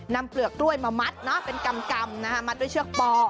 เปลือกกล้วยมามัดเป็นกำมัดด้วยเชือกปอ